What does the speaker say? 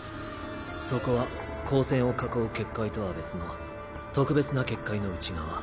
そこは高専を囲う結界とは別の特別な結界の内側。